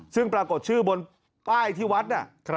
ซึ่งปรากฏชื่อบนป้ายที่วัดน่ะ